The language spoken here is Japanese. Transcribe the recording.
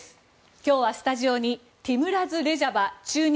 今日はスタジオにティムラズ・レジャバ駐日